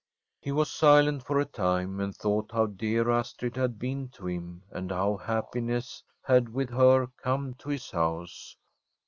He was silent for a time, and thought how dear Astrid had been to him and how happiness had with her come to his house.